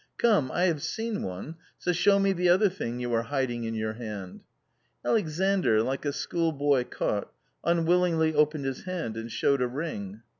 Come, I have seen one, so show me the other thing you are hiding in your hand." Alexandr, like a schoolboy caught, unwillingly opened his hand and showed a ring.